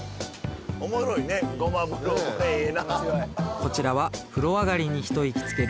こちらは風呂上がりに一息つける